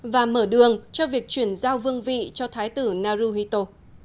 và mở đường cho việc chuyển giao vương vị cho thái tử naruhito